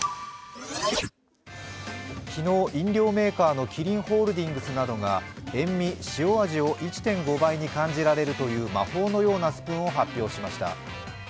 昨日、飲料メーカーのキリンホールディングスが塩味を１．５倍に感じられるという魔法のようなスプーンを発表しました。